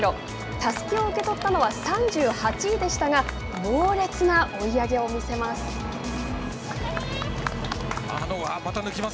たすきを受け取ったのは３８位でしたが猛烈な追い上げを見せます。